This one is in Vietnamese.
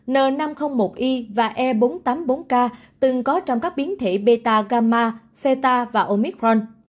n năm trăm linh một i và e bốn trăm tám mươi bốn k từng có trong các biến thể beta gamma theta và omicron